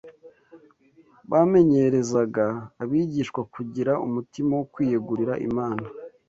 Bamenyerezaga abigishwa kugira umutima wo kwiyegurira Imana